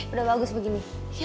udah bagus begini